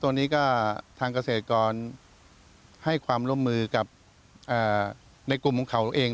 ตรงนี้ก็ทางเกษตรกรให้ความร่วมมือกับในกลุ่มของเขาเราเอง